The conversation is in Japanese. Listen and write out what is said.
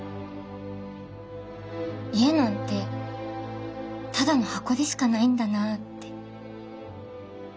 家なんてただの箱でしかないんだなって。